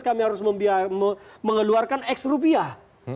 kami harus mengeluarkan x rupiah